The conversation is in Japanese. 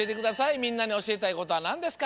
みんなにおしえたいことはなんですか？